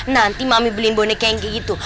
nanti mami beli bunik kayak gitu